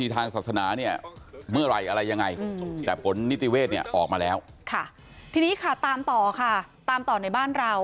ทีนี้ตามต่อในบ้านเรา